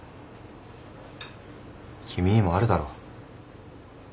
君にもあるだろ。